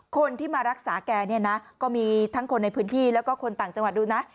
คนที่มารักษาแกเนี่ยนะก็มีทั้งคนในพื้นที่แล้วก็คนต่างจังหวัดดูนะ